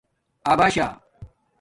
اَباشݳ